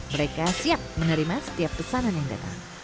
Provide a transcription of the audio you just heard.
mereka siap menerima setiap pesanan yang datang